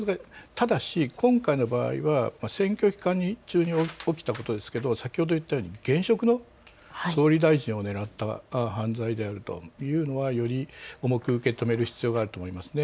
ただし今回の場合は選挙期間中に起きたことですけど先ほど言ったように現職の総理大臣を狙った犯罪であるというのはより重く受け止める必要があると思いますね。